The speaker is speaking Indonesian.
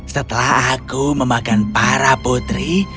setelah aku memakan para putri